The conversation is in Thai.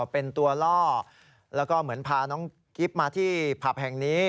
เป็นตัวล่อแล้วก็เหมือนพาน้องกิ๊บมาที่ผับแห่งนี้